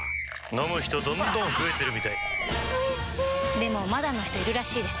飲む人どんどん増えてるみたいおいしでもまだの人いるらしいですよ